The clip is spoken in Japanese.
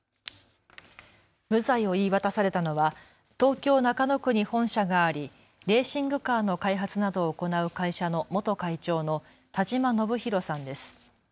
無罪を言い渡されたのは東京中野区に本社がありレーシングカーの開発などを行う会社の元会長の田嶋伸博さんです。